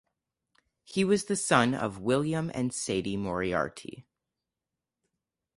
He was the son of William and Sadie Moriarty.